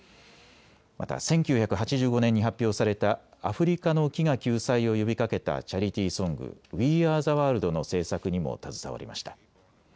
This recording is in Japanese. また１９８５年に発表されたアフリカの飢餓救済を呼びかけたチャリティーソング、ウィー・アー・ザ・ワールドの制作にも携わりました。